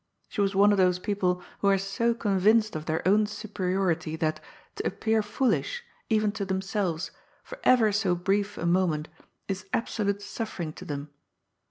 She was one of those people who are so convinced of their own superiority that, to appear foolish, even to themselves, for ever so brief a moment, is absolute suffering to them.